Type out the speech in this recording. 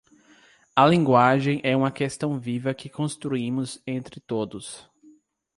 A linguagem é uma questão viva que construímos entre todos.